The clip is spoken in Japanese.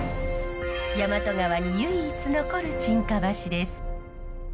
大和川に唯一残る沈下橋です。